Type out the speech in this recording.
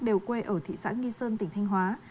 đều quê ở thị xã nghi sơn tỉnh thanh hóa